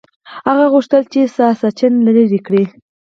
هغه غوښتل چې ساسچن لرې کړي.